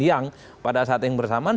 yang pada saat yang bersamaan